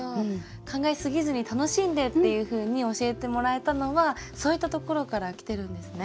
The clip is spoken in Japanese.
考えすぎずに楽しんでっていうふうに教えてもらえたのはそういったところからきてるんですね。